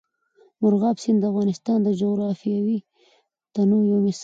مورغاب سیند د افغانستان د جغرافیوي تنوع یو مثال دی.